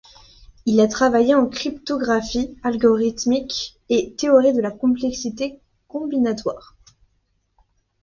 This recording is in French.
Il a travaillé en cryptographie, algorithmique et théorie de la complexité, combinatoire.